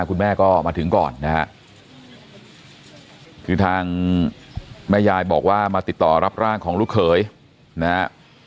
คุณแม่ก็มาถึงก่อนนะฮะคือทางแม่ยายบอกว่ามาติดต่อรับร่างของลูกเขยนะฮะ